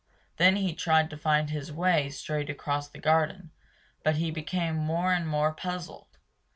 Then he tried to find his way straight across the garden, but he became more and more puzzled.